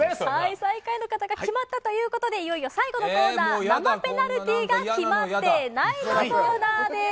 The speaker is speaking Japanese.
最下位の方が決まったということで、いよいよ最後のコーナー、生ペナルティーが決まってない！のコーナーです。